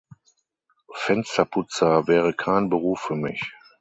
Fensterputzer wäre kein Beruf für mich.